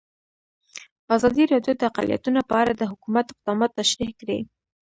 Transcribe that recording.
ازادي راډیو د اقلیتونه په اړه د حکومت اقدامات تشریح کړي.